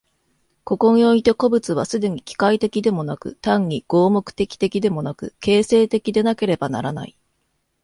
ここにおいて個物は既に機械的でもなく、単に合目的的でもなく、形成的でなければならない。